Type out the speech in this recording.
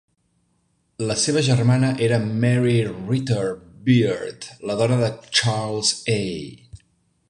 La seva germana era Mary Ritter Beard, la dona de Charles A.